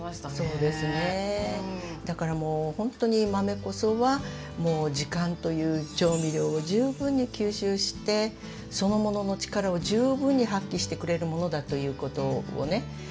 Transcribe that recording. だからもうほんとに豆こそはもう時間という調味料を十分に吸収してそのものの力を十分に発揮してくれるものだということをね